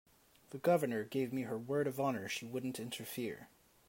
The Governor gave me her word of honor she wouldn't interfere.